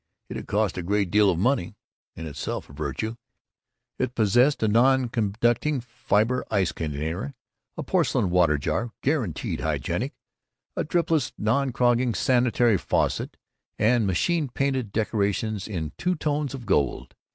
It had cost a great deal of money (in itself a virtue). It possessed a non conducting fiber ice container, a porcelain water jar (guaranteed hygienic), a dripless non clogging sanitary faucet, and machine painted decorations in two tones of gold.